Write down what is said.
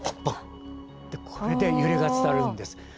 これで揺れが伝わるんです。